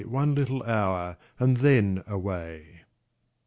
One little hour, and then away.